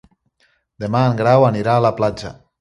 Demà en Grau anirà a la platja.